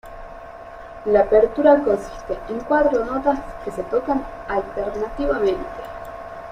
La apertura consiste en cuatro notas que se tocan alternativamente.